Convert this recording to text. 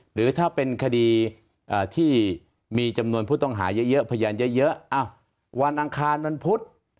หรือถ้าเป็นคดีที่มีจำนวนผู้ต้องหาเยอะพยานเยอะวันอังคารวันพุธ